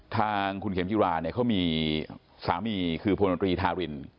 ทางคุณเข็มจิราเนี่ยเขามีสามีคือพลนตรีทาริน